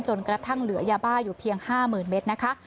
จนกระทั่งเหลือยาบ้าอยู่เพียง๕๐๐๐เมตรนะคะ